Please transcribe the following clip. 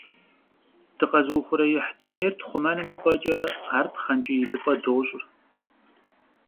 Дыкъэузыухъуреихь дунейр тхъумэным и пӀэкӀэ, ар пхъэнкӀий идзыпӀэ дощӀ.